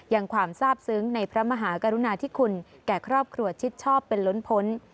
ความทราบซึ้งในพระมหากรุณาธิคุณแก่ครอบครัวชิดชอบเป็นล้นพ้น